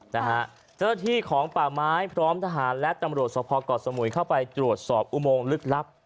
เจ้าหน้าที่ของป่าไม้พร้อมทหารและตำรวจสภเกาะสมุยเข้าไปตรวจสอบอุโมงลึกลับ